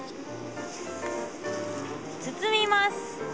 包みます。